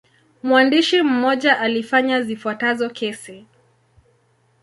Mwandishi mmoja alifanya zifuatazo kesi.